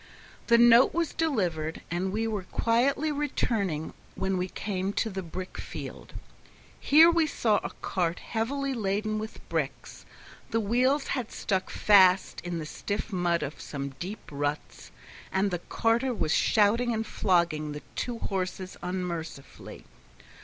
The note was delivered, and we were quietly returning when we came to the brick field. Here we saw a cart heavily laden with bricks; the wheels had stuck fast in the stiff mud of some deep ruts, and the carter was shouting and flogging the two horses unmercifully.